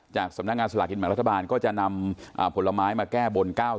สำนักงานสลากกินแบ่งรัฐบาลก็จะนำผลไม้มาแก้บน๙๐